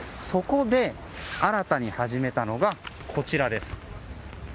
そこで、新たに始めたのがこちらです。